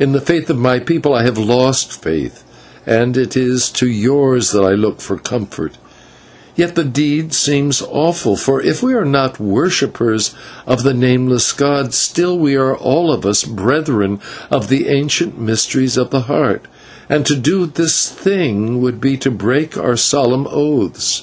In the faith of my people I have lost faith, and it is to yours that I look for comfort; and yet the deed seems awful, for if we are not worshippers of the Nameless god, still we are all of us brethren of the ancient mysteries of the Heart, and to do this thing would be to break our solemn oaths.